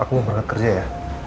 aku mau berangkat kerja ya